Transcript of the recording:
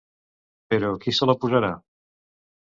Però qui se la posarà?